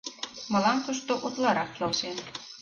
Мылам тушто утларак келшен.